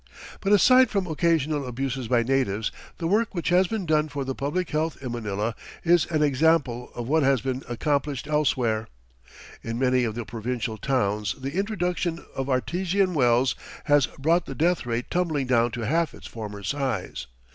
But aside from occasional abuses by natives, the work which has been done for the public health in Manila is an example of what has been accomplished elsewhere. In many of the provincial towns the introduction of artesian wells has brought the death rate tumbling down to half its former size.